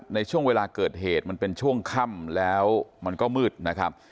ในช่วงเวลาเกิดเหตุมันเป็นช่วงค่ำแล้วมันก็มืดนะครับ